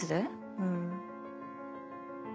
うん。